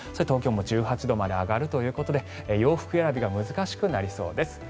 東京も１８度まで上がるということで洋服選びが難しくなりそうです。